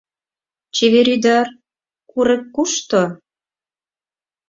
- Чевер ӱдыр, курык кушто?